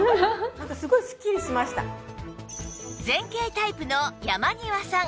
前傾タイプの山庭さん